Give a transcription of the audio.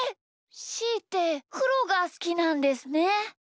しーってくろがすきなんですね。